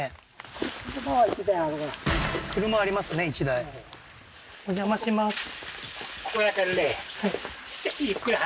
１台お邪魔します